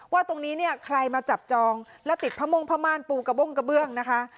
ว่าตรงนี้เนี่ยใครมาจับจองแล้วติดผ้าม่งผ้าม่านปูกระบ้งกระเบื้องนะคะ